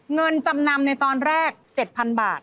เงินจำนำในตอนแรก๗๐๐บาท